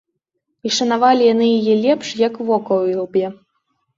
І шанавалі яны яе лепш, як вока ў ілбе.